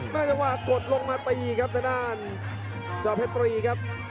น่าจะว่ากดลงมาตีครับในด้านเจ้าเพชรตีครับ